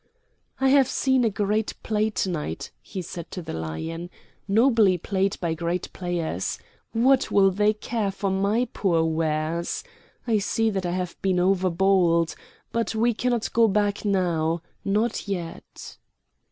"I have seen a great play to night," he said to the Lion, "nobly played by great players. What will they care for my poor wares? I see that I have been over bold. But we cannot go back now not yet."